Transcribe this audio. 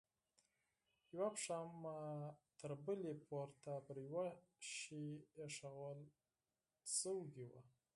يوه پښه مې تر بلې پورته پر يوه شي ايښوول سوې وه.